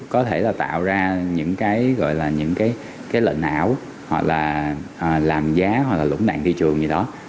có thể tạo ra những lệnh ảo làm giá hoặc lũng đạn thị trường